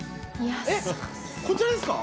えっこちらですか？